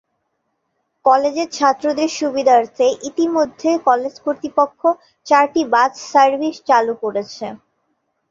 কলেজের ছাত্রদের সুবিধার্থে ইতোমধ্যে কলেজ কর্তৃপক্ষ চারটি বাস সার্ভিস চালু করেছে।